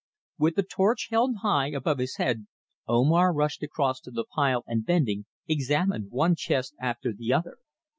With the torch held high above his head Omar rushed across to the pile and bending, examined one chest after the other.